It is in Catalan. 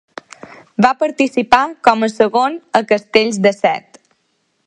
Va participar com a segon a castells de set.